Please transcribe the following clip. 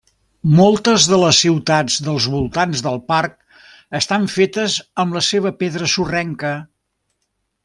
Moltes de les ciutats dels voltants del parc estan fetes amb la seva pedra sorrenca.